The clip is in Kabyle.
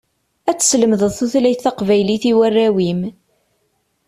Ad teslemdeḍ tutlayt taqbaylit i warraw-im.